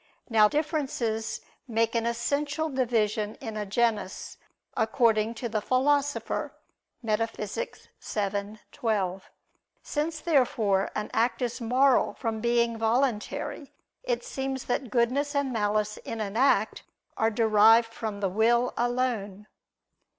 Now differences make an essential division in a genus, according to the Philosopher (Metaph. vii, 12). Since therefore an act is moral from being voluntary, it seems that goodness and malice in an act are derived from the will alone.